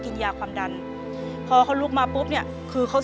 เปลี่ยนเพลงเพลงเก่งของคุณและข้ามผิดได้๑คำ